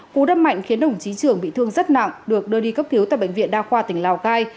cú đâm mạnh khiến đồng chí trưởng bị thương rất nặng được đưa đi cấp cứu tại bệnh viện đa khoa tỉnh lào cai